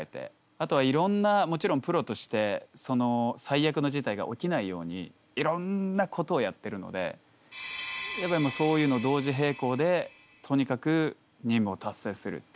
あとはいろんなもちろんプロとして最悪の事態が起きないようにいろんなことをやってるのでやっぱりそういうのを同時並行でとにかく任務を達成するっていうのが。